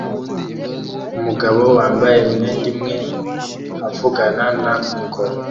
Umugabo wambaye imyenda imwe avugana na mikoro